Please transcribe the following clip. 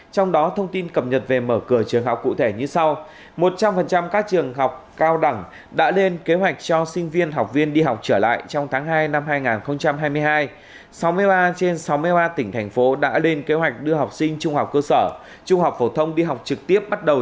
trong đó thông tin cập nhật về mở cửa trường học cụ thể như sau